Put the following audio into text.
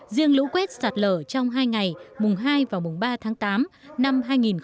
riêng lũ quét sạt lở trong hai ngày mùng hai và mùng ba tháng tám năm hai nghìn một mươi chín